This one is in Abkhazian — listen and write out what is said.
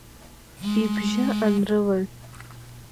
Ибжьы анрылаҩ…